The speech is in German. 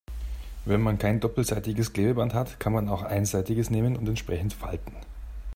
Wenn man kein doppelseitiges Klebeband hat, kann man auch einseitiges nehmen und entsprechend falten.